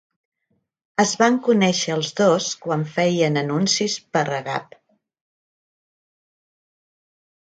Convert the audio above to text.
Es van conèixer els dos quan feien anuncis per a Gap.